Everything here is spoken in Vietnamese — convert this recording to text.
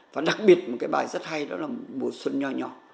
và đặc biệt một cái bài rất hay đó là mùa xuân nho nho